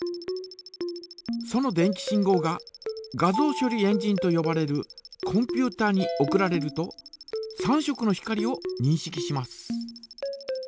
その電気信号が画像処理エンジンとよばれるコンピュータに送られると３色の光をにんしきします。